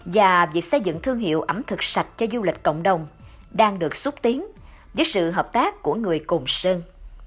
và việc xây dựng thương hiệu ẩm thực sạch cho du lịch cộng đồng đang được xúc tiến với sự hợp tác của người cồn sơn